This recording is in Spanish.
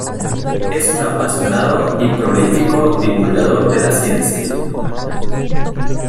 Es un apasionado y prolífico divulgador de la ciencia.